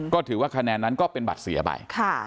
ก็ถือว่าคะแนนนั้นก็เป็นบัตรเสียไป